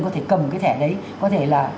có thể cầm cái thẻ đấy có thể là